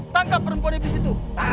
tangkap perempuan di situ